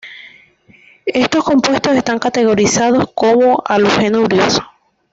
Estos compuestos están categorizados como halogenuros.